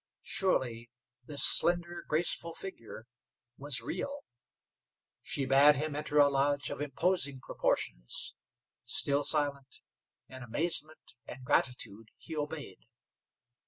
Surely this slender, graceful figure was real. She bade him enter a lodge of imposing proportions. Still silent, in amazement and gratitude, he obeyed.